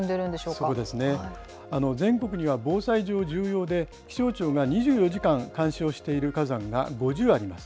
そうですね、全国には防災上重要で、気象庁が２４時間監視をしている火山が５０あります。